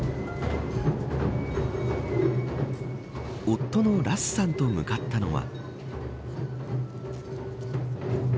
夫のラスさんと向かったのは。